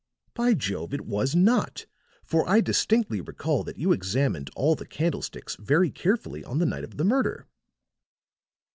By Jove, it was not, for I distinctly recall that you examined all the candlesticks very carefully on the night of the murder."